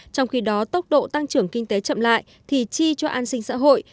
trong khi đó tốc độ tăng trưởng kinh tế chậm lại thì chi cho an sinh xã hội